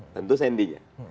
tentu sandy nya